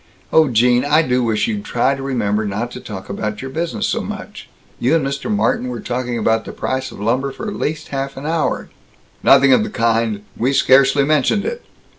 Oh, Gene, I do wish you'd try and remember not to talk about your business so much. You and Mr. Martin were talking about the price of lumber for at least half an hour " "Nothing of the kind. We scarcely mentioned it.